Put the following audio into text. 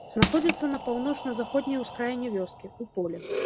Знаходзіцца на паўночна-заходняй ускраіне вёскі, у полі.